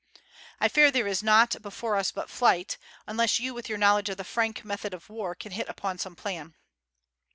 I fear there is nought before us but flight, unless you with your knowledge of the Frank method of war can hit upon some plan."